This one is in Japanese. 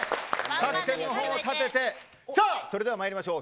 作戦を立ててそれではまいりましょう。